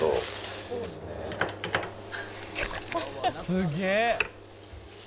「すげえ！」